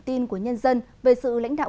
thì chúng tôi xin thề